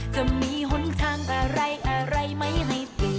จะมีทางอะไรอะไรไม่ให้ปิด